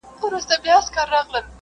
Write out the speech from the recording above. نه د مشر ورور کوزده نه یې عیال وو .